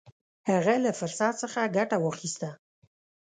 هغه له فرصت څخه ګټه واخیسته.